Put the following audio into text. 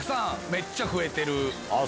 めっちゃ増えてる。